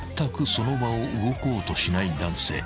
その場を動こうとしない男性］